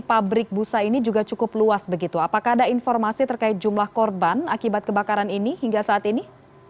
pabrik busa ini juga cukup luas begitu apakah ada informasi terkait jumlah korban akibat kebakaran ini hingga saat ini